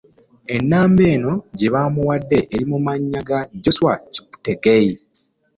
Ennamba eno gy'abawadde eri mu mannya ga Joshua Cheptegei.